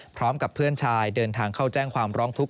พร้อมกับเพื่อนชายเดินทางเข้าแจ้งความร้องทุกข